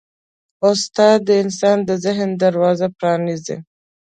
استاد د انسان د ذهن دروازه پرانیزي.